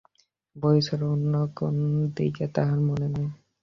বই ছাড়া অন্য কোন দিকে তাঁহার মন নাই।